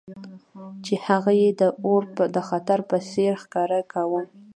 چې هغه یې د اور د خطر په څیر ښکاره کاوه